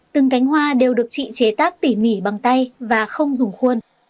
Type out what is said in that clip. từng cánh hoa đều được chị chế tác tỉ mỉ bằng tay và không dùng khuôn